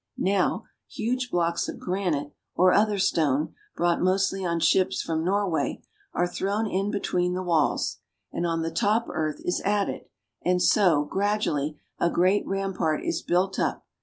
Now, huge blocks of granite or other stone, brought mostly on ships from Nor way, are thrown in between the walls, and on the top earth is added, and so, gradually, a great rampart is built up.